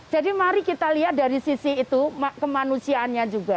jadi mari kita lihat dari sisi itu kemanusiaannya juga